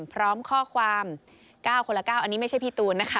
พร้อมข้อความ๙คนละ๙อันนี้ไม่ใช่พี่ตูนนะคะ